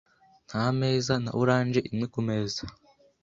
Nta meza na orange imwe kumeza.